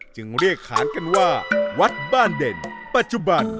จึงเรียกขานกันว่าวัดบ้านเด่นปัจจุบัน